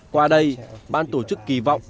qua đây ban tổ chức kỳ vọng